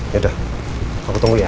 ya udah aku tunggu ya